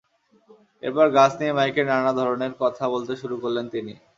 এরপর গাছ নিয়ে মাইকে নানা ধরনের কথা বলতে শুরু করলেন তিনি।